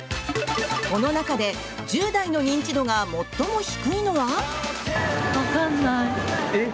この中で、１０代の認知度が最も低いのは？